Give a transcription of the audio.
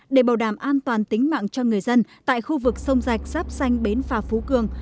để bảo đảm an toàn tính mạng cho người dân tại khu vực sông rạch giáp xanh bến phà phú cường